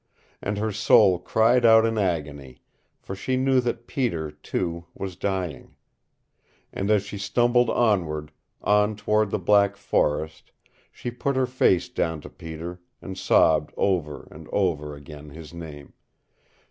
And her soul cried out in agony, for she knew that Peter, too, was dying. And as she stumbled onward on toward the black forest, she put her face down to Peter and sobbed over and over again his name.